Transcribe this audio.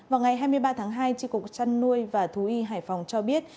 vào ngày hai mươi ba tháng hai tri cục trăn nuôi và thú y hải phòng cho biết